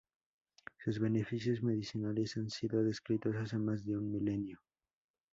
Sus beneficios medicinales han sido descritos hace más de un milenio.